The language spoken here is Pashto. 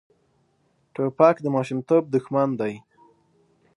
توپک د ماشومتوب دښمن دی.